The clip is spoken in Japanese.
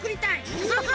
ンハハハ。